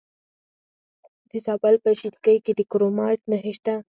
د زابل په شینکۍ کې د کرومایټ نښې شته.